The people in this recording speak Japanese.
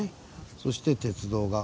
そして鉄道が。